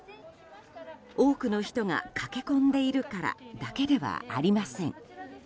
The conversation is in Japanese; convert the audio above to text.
多くの人が駆け込んでいるからだけではありません。